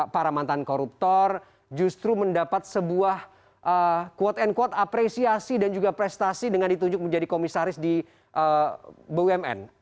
para mantan koruptor justru mendapat sebuah quote unquote apresiasi dan juga prestasi dengan ditunjuk menjadi komisaris di bumn